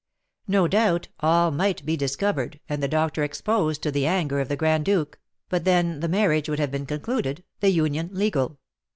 No doubt, all might be discovered, and the doctor exposed to the anger of the Grand Duke, but then the marriage would have been concluded, the union legal.